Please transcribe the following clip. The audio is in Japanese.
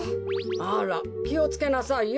あらきをつけなさいよ。